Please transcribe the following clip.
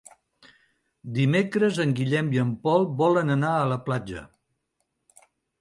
Dimecres en Guillem i en Pol volen anar a la platja.